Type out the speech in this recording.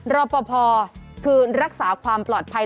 รอปภคือรักษาความปลอดภัย